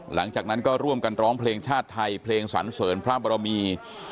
หลังจากนั้นก็ร่วมกันร้องเพลงชาติไทยเพลงสันเสริญพระบรมี